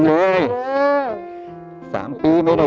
โชคชะตาโชคชะตา